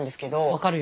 分かるよ。